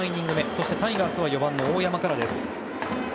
そしてタイガースは４番の大山からです。